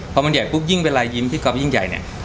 พอมันใหญ่ปุ๊บยิ่งเวลายิ้มที่ก๊อฟยิ่งใหญ่เนี่ย